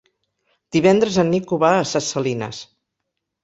Divendres en Nico va a Ses Salines.